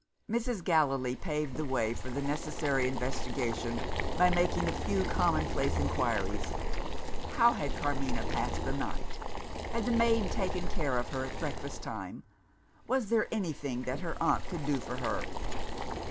Mrs. Gallilee paved the way for the necessary investigation, by making a few common place inquiries. How had Carmina passed the night? Had the maid taken care of her at breakfast time? Was there anything that her aunt could do for her?